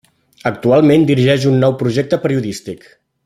Actualment dirigeix un nou projecte periodístic: